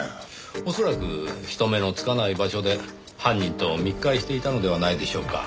恐らく人目のつかない場所で犯人と密会していたのではないでしょうか。